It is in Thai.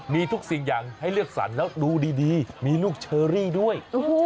มีทุกสิ่งอย่างให้เลือกสรรแล้วดูดีมีลูกเชอรี่ด้วย